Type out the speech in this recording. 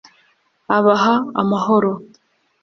abaha amahoro